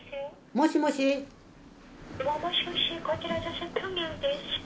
「もしもしこちら平壌です」